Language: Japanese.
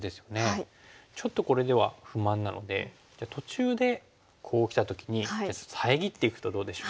ちょっとこれでは不満なのでじゃあ途中でこうきた時に遮っていくとどうでしょう？